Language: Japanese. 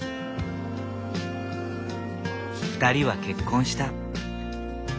２人は結婚した。